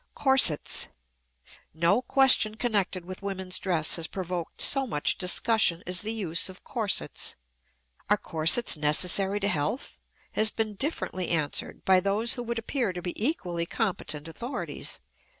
CORSETS. No question connected with women's dress has provoked so much discussion as the use of corsets. "Are corsets necessary to health?" has been differently answered by those who would appear to be equally competent authorities.